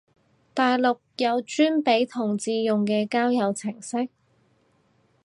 大陸有專俾同志用嘅交友程式？